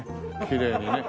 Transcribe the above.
きれいにね。